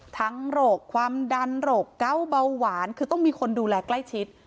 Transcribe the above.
โรคความดันโรคเก้าเบาหวานคือต้องมีคนดูแลใกล้ชิด